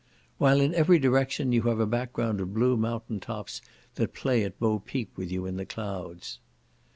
while in every direction you have a background of blue mountain tops, that play at bo peep with you in the clouds.